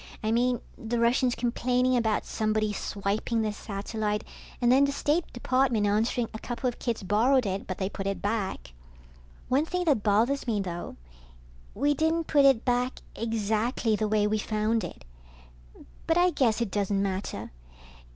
I mean, the Russians complaining about somebody swiping their satellite and then the State Department answering a couple of kids borrowed it, but they put it back. One thing that bothers me though, we didn't put it back exactly the way we found it. But I guess it doesn't matter.